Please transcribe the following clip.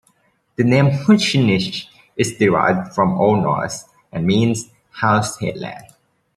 The name Hushinish is derived from Old Norse and means "house headland".